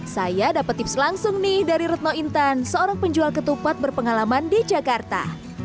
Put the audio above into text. saya dapat tips langsung nih dari retno intan seorang penjual ketupat berpengalaman di jakarta